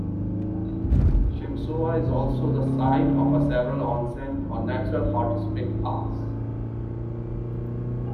Shimosuwa is also the site of several onsen or natural hot spring spas.